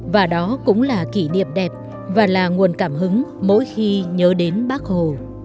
và đó cũng là kỷ niệm đẹp và là nguồn cảm hứng mỗi khi nhớ đến bác hồ